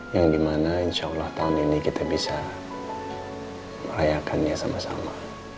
yang dimana insya allah tahun ini kita bisa merayakannya sama sama